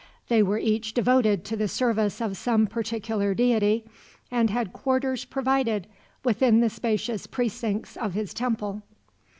They were each devoted to the service of some particular deity, and had quarters provided within the spacious precincts of his temple.